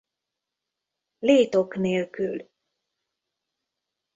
Létok nélkül!